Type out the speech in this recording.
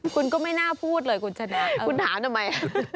คุณก็ไม่น่าพูดเลยคุณชนะคุณถามทำไม